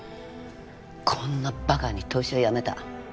こんなバカに投資はやめだ。